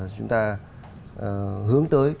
chúng ta hướng tới